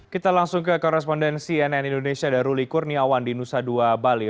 kita langsung ke korespondensi nn indonesia dan ruli kurniawan di nusa dua bali